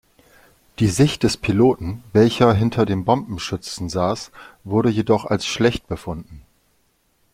Die Sicht des Piloten, welcher hinter dem Bombenschützen saß, wurde jedoch als schlecht befunden.